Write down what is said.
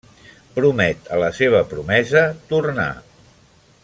Promet a la seva promesa tornar.